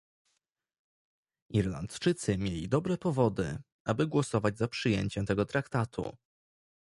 Irlandczycy mieli dobre powody, aby głosować za przyjęciem tego Traktatu